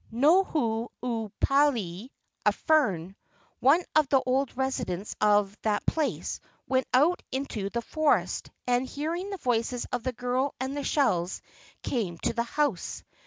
Nohu ua palai (a fern), one of the old residents of that place, went out into the forest, and, hearing the voices of the girl and the shells, came to the house.